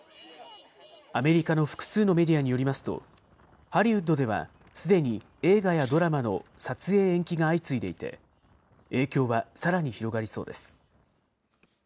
アメリカの複数のメディアによりますと、ハリウッドではすでに映画やドラマの撮影延期が相次いでいて、影響はさらに広がりそうです。